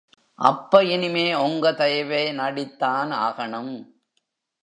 அப்ப இனிமே ஒங்க தயவே நாடித்தான் ஆகணும்.